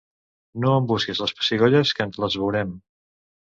No em busquis les pessigolles que ens les veurem.